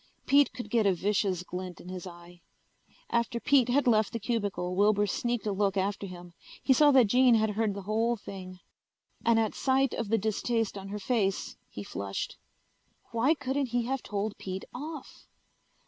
Pete could get a vicious glint in his eye. After Pete had left the cubicle Wilbur sneaked a look after him. He saw that Jean had heard the whole thing. And at sight of the distaste on her face he flushed. Why couldn't he have told Pete off?